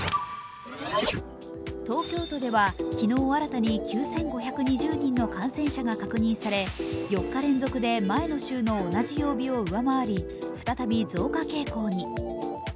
東京都では昨日新たに９５２０人の感染者が確認され４日連続で前の週の同じ曜日を上回り、再び増加傾向に。